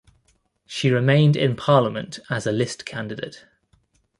She remained in Parliament as a list candidate.